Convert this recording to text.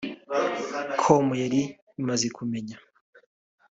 com yari imaze kumenya